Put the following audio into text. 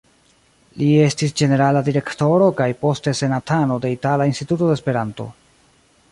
Li estis ĝenerala direktoro kaj poste senatano de Itala Instituto de Esperanto.